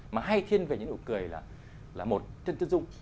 mà hay thiên về những nụ cười là một thân tân dung